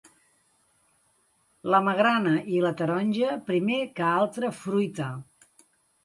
La magrana i la taronja primer que altra fruita.